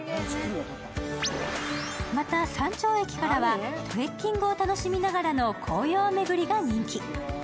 また、山頂駅からはトレッキングを楽しみながらの紅葉巡りが人気。